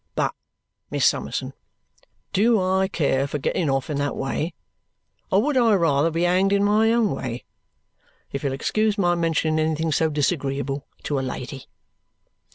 But, Miss Summerson, do I care for getting off in that way; or would I rather be hanged in my own way if you'll excuse my mentioning anything so disagreeable to a lady?"